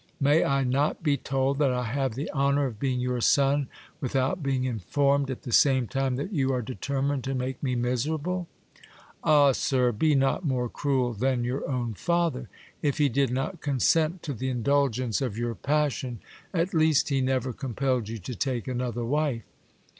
May I not be told that I have the honour of being your son without being informed at the GIL BLAS. same time that you are determined to make me miserable ? Ah, sir ! be not more cruel than your own father. If he did not consent to the indulgence of your passion, at least he never compelled you to take another wife.